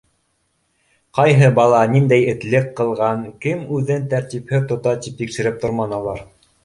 Ҡайһы бала ниндәй этлек ҡылған, кем үҙен тәртипһеҙ тота тип тикшереп торманылар.